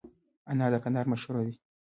انار د کندهار مشهور دي